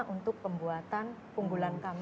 untuk pembuatan punggulan kami